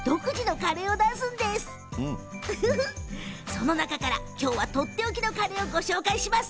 その中から今日はとっておきのカレーをご紹介します。